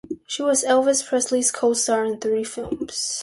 She was Elvis Presley's co-star in three films.